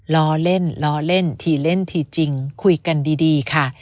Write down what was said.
รอเล่นรอเล่นทีเล่นทีจริงคุยกันดีค่ะ